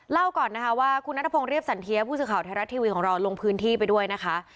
ก่อนนะคะว่าคุณนัทพงศ์เรียบสันเทียผู้สื่อข่าวไทยรัฐทีวีของเราลงพื้นที่ไปด้วยนะคะ